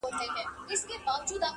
په هره څانګه هر پاڼه کي ویشتلی چنار٫